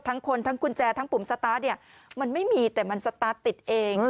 ทั้งคนทั้งกุญแจทั้งปุ่มสตาร์ทเนี่ยมันไม่มีแต่มันสตาร์ทติดเอง